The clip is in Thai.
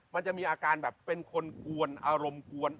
มันจะมีอาการแบบเป็นคนกวนอารมณ์กวน